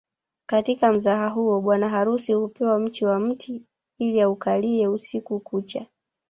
Katika mzaha huo bwana harusi hupewa mchi wa mti ili aukalie usiku kucha